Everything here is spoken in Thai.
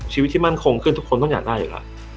ชีวิตที่มั่นคงขึ้นทุกคนต้องอยากได้อยู่แล้ว